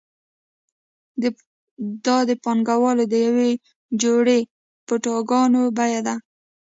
دا د پانګوال د یوې جوړې بوټانو بیه ده